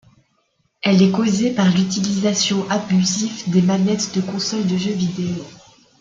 Elle est causée par l'utilisation abusive des manettes de consoles de jeux vidéo.